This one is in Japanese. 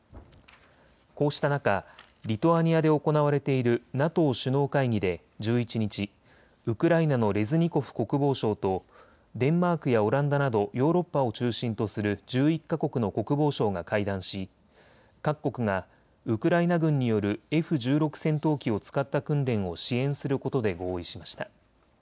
こうした中、リトアニアで行われているＮＡＴＯ首脳会議で１１日、ウクライナのレズニコフ国防相とデンマークやオランダなどヨーロッパを中心とする１１か国の国防相が会談し各国がウクライナ軍によるＦ１６戦闘機を使った訓練を支援することで合意しました。